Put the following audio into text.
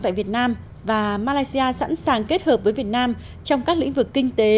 tại việt nam và malaysia sẵn sàng kết hợp với việt nam trong các lĩnh vực kinh tế